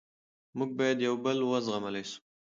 موږ باید یو بل و زغملی سو.